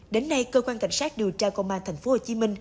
đến nay cơ quan cảnh sát điều tra công an tp hcm